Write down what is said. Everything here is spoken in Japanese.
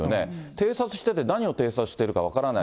偵察してて何を偵察してるか分からない。